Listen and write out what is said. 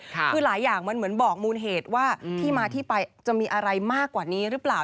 คือหลายอย่างมันเหมือนบอกมูลเหตุว่าที่มาที่ไปจะมีอะไรมากกว่านี้หรือเปล่า